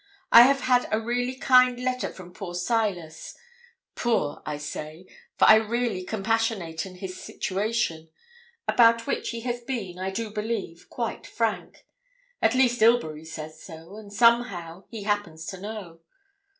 I have had a really kind letter from poor Silas poor I say, for I really compassionate his situation, about which he has been, I do believe, quite frank at least Ilbury says so, and somehow he happens to know.